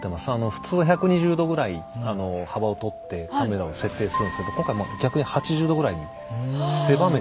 普通１２０度ぐらいあの幅をとってカメラを設定するんですけど今回逆に８０度ぐらいに狭めてるんですよ。